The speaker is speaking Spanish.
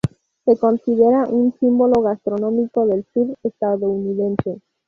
Se considera un símbolo gastronómico del sur estadounidense.